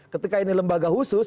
ketika ini lembaga khusus